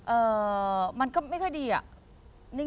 เอ่อมันก็ไม่ค่อยดีอะ